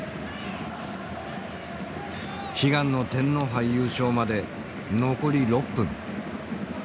悲願の天皇杯優勝まで残り６分。